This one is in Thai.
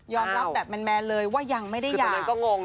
ยอมรับแบบแมนเลยว่ายังไม่ได้อยากคือตรงนั้นก็งง